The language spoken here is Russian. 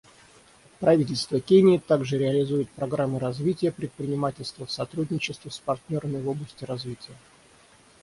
Правительство Кении также реализует программы развития предпринимательства в сотрудничестве с партнерами в области развития.